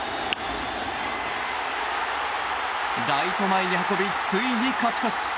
ライト前に運びついに勝ち越し。